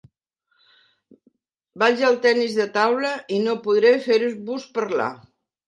Vaig al tennis de taula i no podré fer-vos parlar.